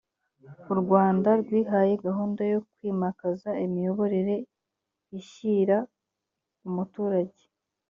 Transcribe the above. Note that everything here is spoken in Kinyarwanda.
u rwanda rwihaye gahunda yo kwimakaza imiyoborere ishyira umuturage